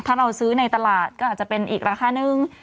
ถ้าเราซื้อในตลาดก็อาจจะเป็นอีกราคานึง